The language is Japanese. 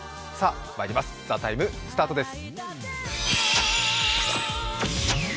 それでは「ＴＨＥＴＩＭＥ，」スタートです。